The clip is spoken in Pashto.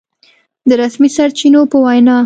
د رسمي سرچينو په وينا